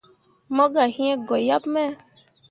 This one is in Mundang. Mo gah yĩĩ goyaɓ me.